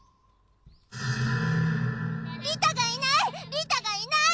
リタがいない！